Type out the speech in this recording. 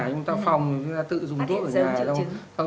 chúng ta phòng chúng ta tự dùng thuốc ở nhà